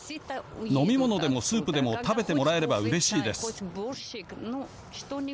飲み物でもスープでも食べてもらえればうれしいです。